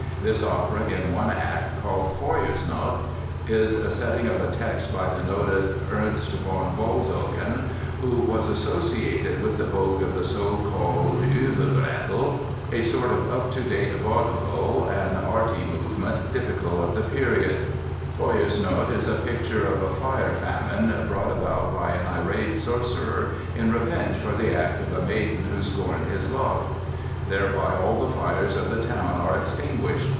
This opera in one act, called Feuersnot, is a setting of a text by the noted Ernst von Wolzogen, who was associated with the vogue of the so called "Ueberbrettl", a sort of up to date vaudeville, an "arty" movement typical of the period. Feuersnot is a picture of a "fire famine" brought about by an irate sorcerer in revenge for the act of a maiden who scorned his love. Thereby all the fires of the town are extinguished!